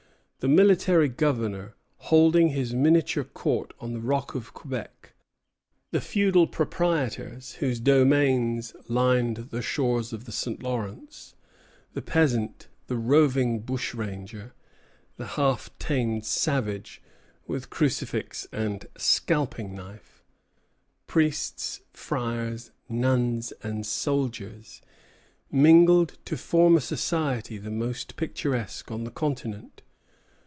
The military Governor, holding his miniature Court on the rock of Quebec; the feudal proprietors, whose domains lined the shores of the St. Lawrence; the peasant; the roving bushranger; the half tamed savage, with crucifix and scalping knife; priests; friars; nuns; and soldiers, mingled to form a society the most picturesque on the continent.